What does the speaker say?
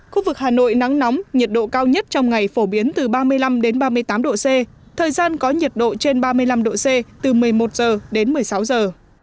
khu vực hà nội nắng nóng nhiệt độ cao nhất trong ngày phổ biến từ ba mươi năm đến ba mươi tám độ c thời gian có nhiệt độ trên ba mươi năm độ c từ một mươi một giờ đến một mươi sáu giờ